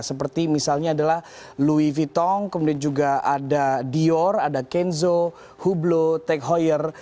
seperti misalnya adalah louis vuittong kemudian juga ada dior ada kenzo hublo tech hoyer